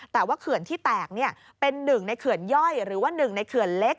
แต่ว่าเขื่อนที่แตกเป็นหนึ่งในเขื่อนย่อยหรือว่าหนึ่งในเขื่อนเล็ก